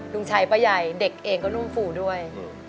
ลุงชัยป้าใหญ่เด็กเองก็นุ่มฟูด้วย